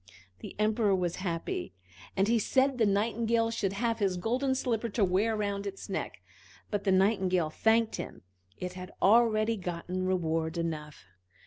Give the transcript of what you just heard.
The Emperor was happy, and he said the Nightingale should have his golden slipper to wear round its neck. But the Nightingale thanked him, it had already got reward enough.